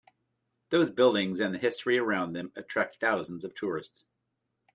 Those buildings and the history around them attract thousands of tourists.